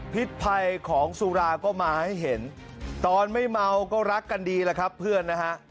พิษภัยของสุราก็มาให้เห็นตอนไม่เมาก็รักกันดีแหละครับเพื่อนนะฮะ